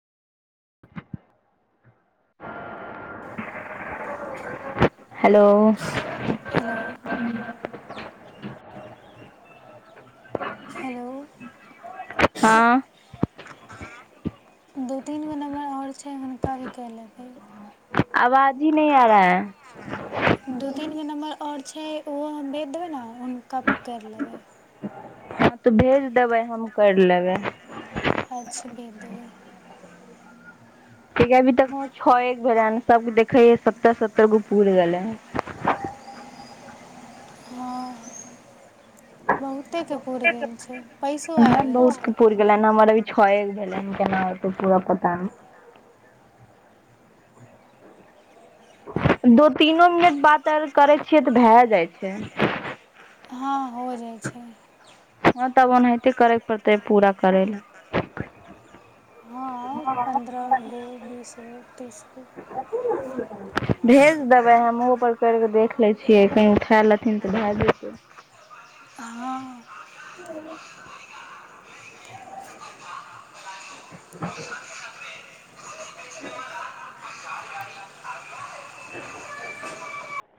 [inaudible] hello hello hello हँ दू तीन गो नम्बर आओर छै हुनका भी कए लेबै आवाज ही नहि आ रहा है दू तीन गो नम्बर आओर छै ओहो हम भेज देबै ने हुनका करि लेबै हँ तऽ भेज देबै हम करि लेबै अच्छा भेज देबै ठीक है अभी तक मे छीए गो एक बेरन सब देखै सत्तर सत्तर गो पुरि गेलै है हँ बहुतेके पुरि गेल छै पैसो आइ हँ गेल बहुत के छै पुरि गेलै ने हमर इ छौ गो भेलनि केना होतै पुरा पता नै दू तीनो मिनट बात आर करै छियै तऽ भए जाइ छै हँ हो छै हँ तब ओनाहिते करैके पड़तै पूरा करै लए ज भेज देबै हम ओहो पर कर कऽ देख लै छियै कहीँ उठा लेथिन तऽ भए जेतै हँ ह [inaudible] [inaudible] ह [inaudible]